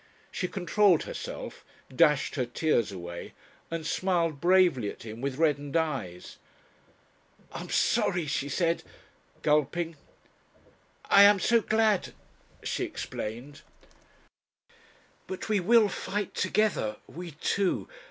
She controlled herself, dashed her tears away, and smiled bravely at him with reddened eyes. "I'm sorry," she said, gulping. "I am so glad," she explained. "But we will fight together. We two.